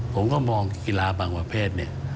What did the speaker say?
ผมก็มองกีฬาบางประเภทเนี่ย